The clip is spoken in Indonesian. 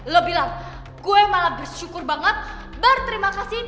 lo bilang gue malah bersyukur banget berterima kasih